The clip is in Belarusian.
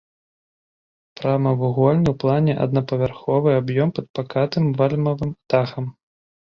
Прамавугольны ў плане аднапавярховы аб'ём пад пакатым вальмавым дахам.